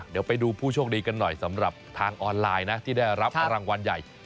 เดี๋ยวไปดูผู้โชคดีกันหน่อยสำหรับทางออนไลน์นะที่ได้รับรางวัลใหญ่